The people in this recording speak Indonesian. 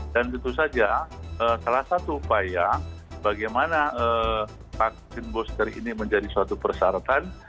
dan tentu saja salah satu upaya bagaimana vaksin booster ini menjadi suatu persyaratan